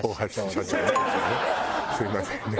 すみませんね